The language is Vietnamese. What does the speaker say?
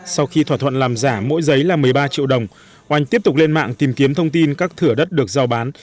sau khi thỏa thuận làm giả mỗi giấy là một mươi ba triệu đồng oanh tiếp tục lên mạng tìm kiếm thông tin các thửa đất được giao bán